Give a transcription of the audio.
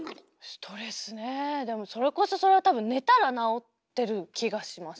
ストレスねえでもそれこそそれは多分寝たらなおってる気がします